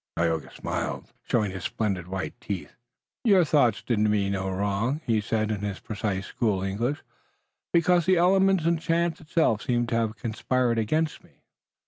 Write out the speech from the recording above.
Tayoga smiled, showing his splendid white teeth. "Your thoughts did me no wrong," he said in his precise school English, "because the elements and chance itself seemed to have conspired against me."